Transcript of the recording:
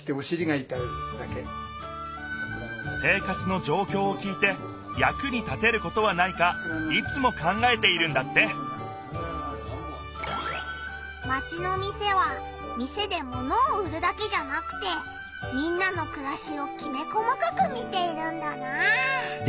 生活のじょうきょうを聞いてやくに立てることはないかいつも考えているんだってマチの店は店で物を売るだけじゃなくてみんなのくらしをきめ細かく見ているんだなあ。